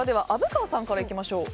虻川さんからいきましょう。